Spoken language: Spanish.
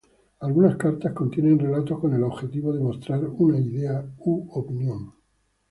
Algunas cartas contienen relatos con el objetivo de mostrar una idea u opinión.